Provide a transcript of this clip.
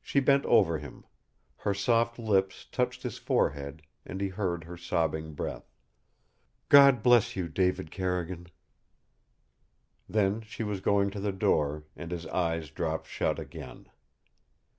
She bent over him. Her soft lips touched his forehead, and he heard her sobbing breath. "God bless you, David Carrigan!" Then she was going to the door, and his eyes dropped shut again.